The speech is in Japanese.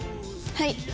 はい。